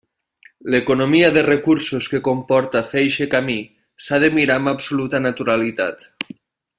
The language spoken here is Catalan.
L'economia de recursos que comporta fer eixe camí s'ha de mirar amb absoluta naturalitat.